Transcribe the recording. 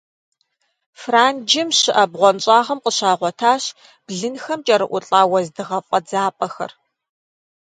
Франджым щыӀэ бгъуэнщӀагъым къыщагъуэтащ блынхэм кӀэрыӀулӀа уэздыгъэ фӀэдзапӀэхэр.